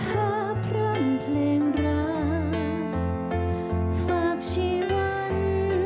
ขอพร่ำเพลงรักฝากชีวัน